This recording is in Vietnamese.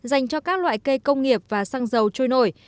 dành cho các loại cây công nghiệp và xăng dầu trôi nổi